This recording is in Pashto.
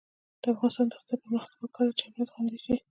د افغانستان د اقتصادي پرمختګ لپاره پکار ده چې امنیت خوندي شي.